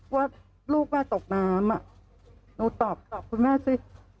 ว่าลูกแม่ตกน้ำหนูตอบคุณแม่สิ